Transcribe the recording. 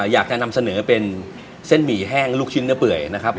ต้องชิมแล้วล่ะเมนูชิมอะไรสักก่อน